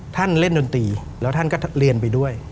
ท่านเล่นดนตรีแล้วท่านก็เรียนไปด้วย